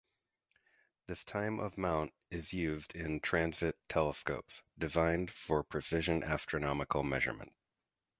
This type of mount is used in Transit telescopes, designed for precision astronomical measurement.